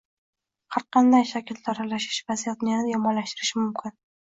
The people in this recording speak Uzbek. Har qanday shaklda aralashish vaziyatni yanada yomonlashtirishi mumkin